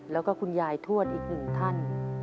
แล้วก็คุณยายทวดอีกหนึ่งท่าน